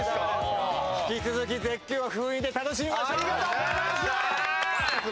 引き続き絶叫封印で楽しみましょう。